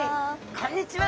こんにちは！